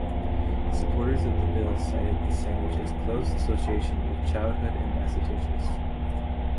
Supporters of the bill cited the sandwich's close association with childhood and Massachusetts.